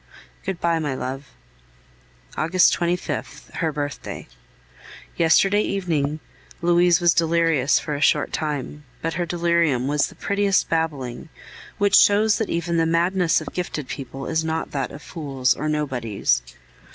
Good bye, my love. August 25th (her birthday). Yesterday evening Louise was delirious for a short time; but her delirium was the prettiest babbling, which shows that even the madness of gifted people is not that of fools or nobodies.